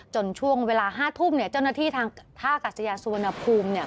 ช่วงเวลา๕ทุ่มเนี่ยเจ้าหน้าที่ทางท่ากัศยาสุวรรณภูมิเนี่ย